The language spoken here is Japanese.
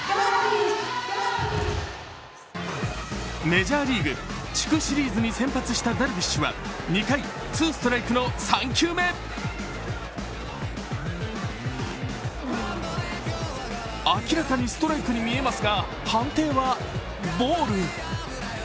メジャーリーグ、地区シリーズに先発したダルビッシュは２回、ツーストライクの３球目、明らかにストライクに見えますが、判定はボール。